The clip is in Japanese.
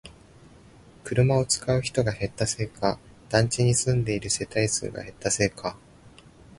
車を使う人が減ったせいか、団地に住んでいる世帯数が減ったせいか